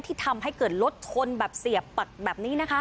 ที่ทำให้เกิดรถทนแบบเสียบแบบนี้นะครับ